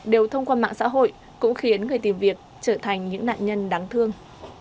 đều thông qua mạng xã hội cũng khiến người tìm việc trở thành những nạn nhân đáng thương